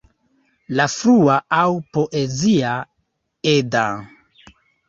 La frua aŭ Poezia Edda.